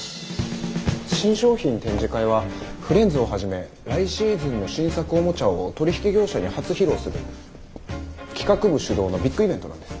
新商品展示会はフレンズをはじめ来シーズンの新作おもちゃを取引業者に初披露する企画部主導のビッグイベントなんです。